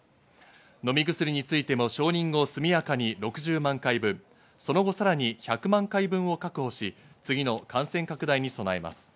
飲み薬についても承認後速やかに６０万回分、その後さらに１００万回分を確保し、次の感染拡大に備えます。